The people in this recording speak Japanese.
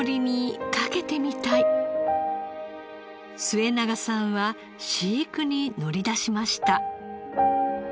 末永さんは飼育に乗り出しました。